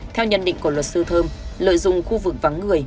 theo nhận định của luật sư thơm lợi dụng khu vực vắng người